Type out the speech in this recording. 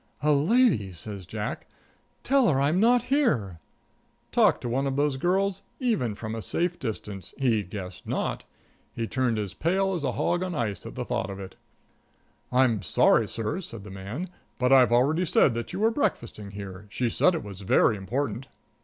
"A lady!" says Jack. "Tell her I'm not here." Talk to one of those girls, even from a safe distance! He guessed not. He turned as pale as a hog on ice at the thought of it. "I'm sorry, sir," said the man, "but I've already said that you were breakfasting here. She said it was very important."